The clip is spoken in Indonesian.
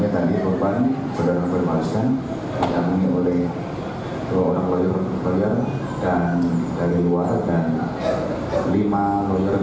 ternyata ini berubah penyidik yang diambil oleh dua orang polis dan dari luar dan lima penyidik dari intak